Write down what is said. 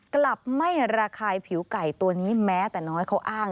กลับไม่ระคายผิวไก่ตัวนี้แม้แต่น้อยเขาอ้าง